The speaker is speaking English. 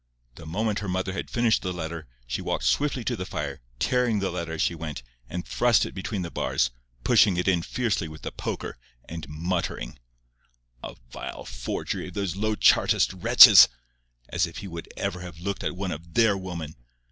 The moment her mother had finished the letter, she walked swiftly to the fire, tearing the letter as she went, and thrust it between the bars, pushing it in fiercely with the poker, and muttering— "A vile forgery of those low Chartist wretches! As if he would ever have looked at one of THEIR women!